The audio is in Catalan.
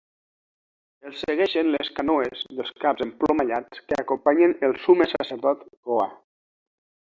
El segueixen les canoes dels caps emplomallats que acompanyen el summe sacerdot Koa.